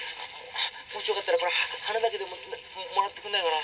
もしよかったらこれ花だけでももらってくんないかな？